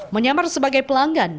menyamar sebagai pelanggan